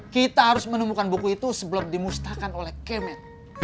kita harus menemukan buku itu sebelum dimusnahkan oleh kemen